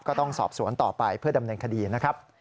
ก็ต้องสอบสวนต่อไปเพื่อดำเนินคดีนะครับ